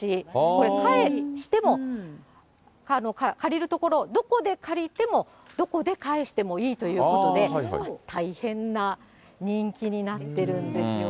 これ、返しても、借りる所、どこで借りてもどこで返してもいいということで、大変な人気になってるんですよ。